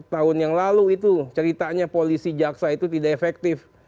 tahun yang lalu itu ceritanya polisi jaksa itu tidak efektif